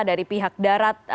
dari pihak darat